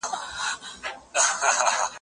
قرآن کريم خورا جالبي او له عبرته ډکي قصې لري.